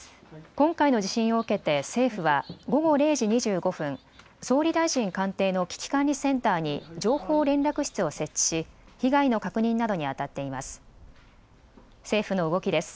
今回の地震を受けて政府は午後０時２５分、総理大臣官邸の危機管理センターに情報連絡室を設置し被害の確認などにあたっています。